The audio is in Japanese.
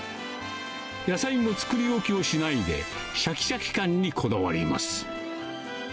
野菜も作り置きをしないで、しゃきしゃき感にこだわります。